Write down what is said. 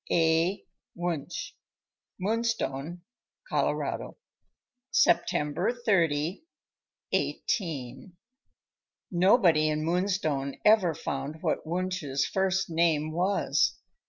— A. Wunsch. Moonstone, Colo. September 30, 18— Nobody in Moonstone ever found what Wunsch's first name was.